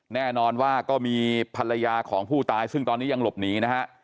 แน่นอนว่าก็มีภรรยาของผู้ตายซึ่งตอนนี้ยังหลบหนีนะฮะ